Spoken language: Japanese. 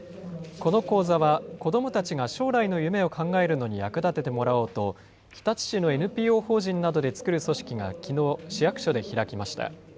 この講座は子どもたちが将来の夢を考えるのに役立ててもらおうと、日立市のＮＰＯ法人などで作る組織がきのう、市役所で開きました。